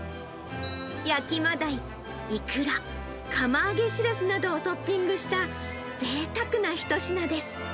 焼きマダイ、イクラ、釜揚げシラスなどをトッピングしたぜいたくな一品です。